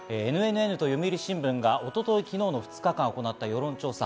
ＮＮＮと読売新聞が一昨日、昨日の２日間行った世論調査。